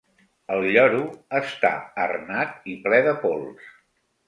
El lloro està arnat i ple de pols.